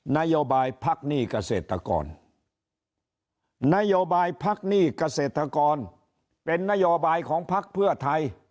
นโยบายพักหนี้เกษตรกรนโยบายพักหนี้เกษตรกรเป็นนโยบายของพักเพื่อไทย